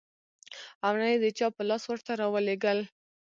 او نه يې د چا په لاس ورته راولېږل .